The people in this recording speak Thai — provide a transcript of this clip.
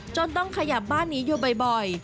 ต้องขยับบ้านนี้อยู่บ่อย